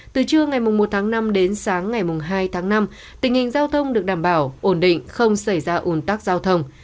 từ trưa ngày một tháng năm đến sáng ngày hai tháng năm tình hình giao thông được đảm bảo ổn định không xảy ra ủn tắc giao thông